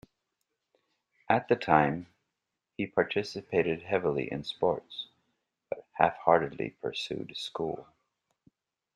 At the time, he participated heavily in sports, but half-heartedly pursued school.